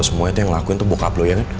lo semua itu yang ngelakuin itu bapak lo ya kan